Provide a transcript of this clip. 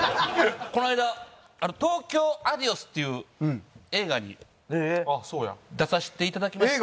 この間『東京アディオス』っていう映画に出させていただきまして。